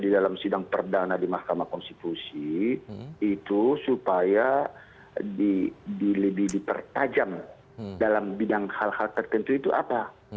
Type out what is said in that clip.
jadi dalam sidang perdana di mahkamah konstitusi itu supaya lebih dipertajam dalam bidang hal hal tertentu itu apa